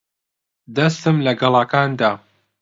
دەستم لە گەڵاکان دا.